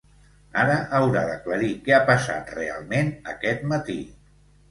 Ara haurà d’aclarir què ha passat realment aquest matí.